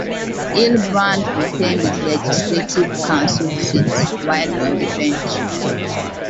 Hillebrand retained his Legislative Council seat while on the bench.